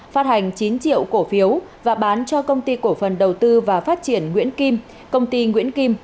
phát hành chín triệu cổ phiếu và bán cho công ty cổ phần đầu tư và phát triển nguyễn kim công ty nguyễn kim